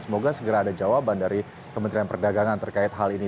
semoga segera ada jawaban dari kementerian perdagangan terkait hal ini